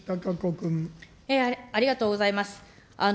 ありがとうございます。